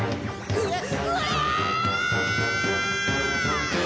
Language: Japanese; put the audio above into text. うわっ！